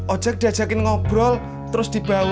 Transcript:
ojek diajakin ngobrol terus dibawa